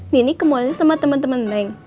nini ke mallnya sama temen dua neng